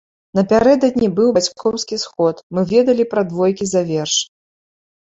Напярэдадні быў бацькоўскі сход, мы ведалі пра двойкі за верш.